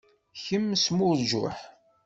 Kemm smurǧuḥ.